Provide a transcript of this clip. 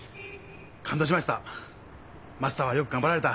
感動しました！